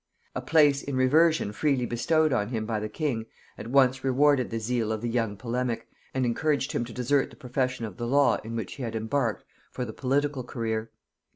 A place in reversion freely bestowed on him by the king at once rewarded the zeal of the young polemic, and encouraged him to desert the profession of the law, in which he had embarked, for the political career.